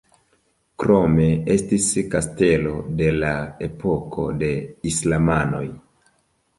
Krome estis kastelo de la epoko de islamanoj.